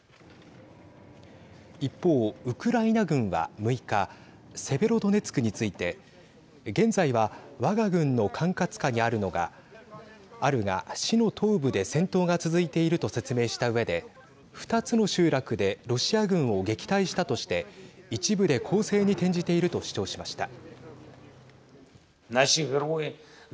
一方、ウクライナ軍は６日セベロドネツクについて現在は、わが軍の管轄下にあるが市の東部で戦闘が続いていると説明したうえで２つの集落でロシア軍を撃退したとして一部で攻勢に転じていると主張しました。